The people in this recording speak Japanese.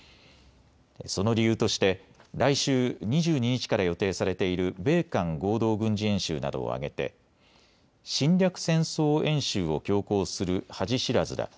その理由として来週２２日から予定されている米韓合同軍事演習などを挙げて侵略戦争演習を強行する恥知らずだ。